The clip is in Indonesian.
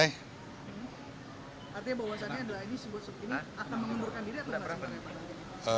artinya bahwasannya adalah disebut seperti ini akan mengundurkan diri atau tidak